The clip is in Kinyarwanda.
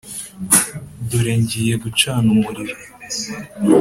dore ngiye gucana umuriro.